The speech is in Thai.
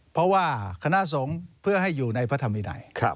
เพราะว่าคณะสงฆ์เพื่อให้อยู่ในพระธรรมินัย